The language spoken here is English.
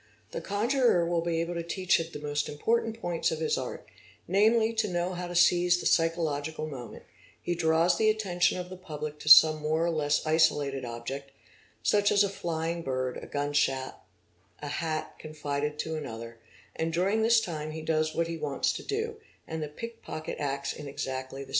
'The conjuror will be able to teach him the most important point of his art, namely, to know how to seize the psychological moment: he draws the attention of the public to some more or less isolated object, such as a flying bird, a gunshot, a hat confided to another, and during this time he does what he wants to do—and the pickpocket acts in exactly the same manner.